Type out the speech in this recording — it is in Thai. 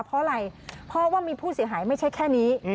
เพราะอะไรเพราะว่ามีผู้เสียหายไม่ใช่แค่นี้